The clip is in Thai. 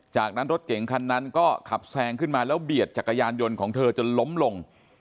จากนั้นรถเก่งคันนั้นก็ขับแซงขึ้นมาแล้วเบียดจักรยานยนต์ของเธอจนล้มลง